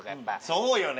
そうよね。